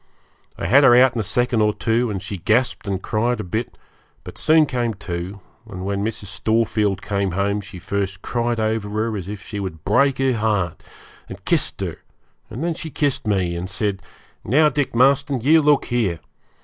I had her out in a second or two, and she gasped and cried a bit, but soon came to, and when Mrs. Storefield came home she first cried over her as if she would break her heart, and kissed her, and then she kissed me, and said, 'Now, Dick Marston, you look here.